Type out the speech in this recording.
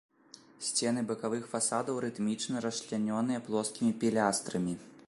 Сцены бакавых фасадаў рытмічна расчлянёныя плоскімі пілястрамі.